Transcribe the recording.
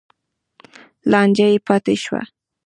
لانجه یې پاتې شوه.